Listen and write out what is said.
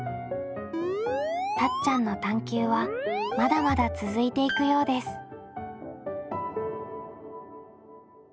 たっちゃんの探究はまだまだ続いていくようです。